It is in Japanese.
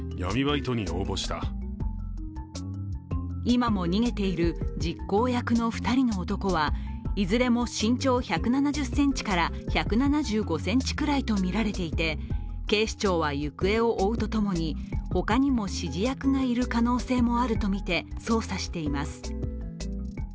今も逃げている実行役の２人の男はいずれも身長１７０ｃｍから１７５ｃｍくらいとみられていて、警視庁は行方を追うとともにほかにも指示役がいる可能性もあるとみて捜査しています。